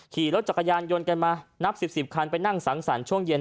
ขี่รถจักรยานยนต์กันมานับ๑๐คันไปนั่งสังสรรค์ช่วงเย็น